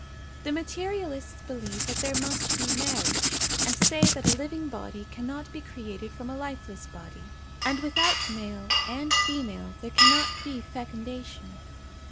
The materialists believe that there must be marriage, and say that a living body cannot be created from a lifeless body, and without male and female there cannot be fecundation.